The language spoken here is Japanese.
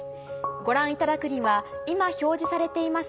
ご覧いただくには今表示されています